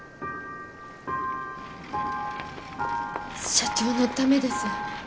社長のためです。